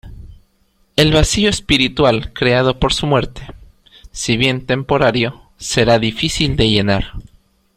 El vacío espiritual creado por su muerte, si bien temporario, será difícil de llenar.